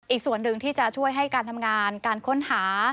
อีกส่วนหนึ่งที่จะช่วยให้การทำงานการค้นหา